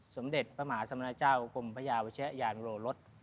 สมเด็จพระหมาสมรเจ้ากลมพระยาวเชียงโรรส